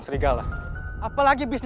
mereka pakai hujan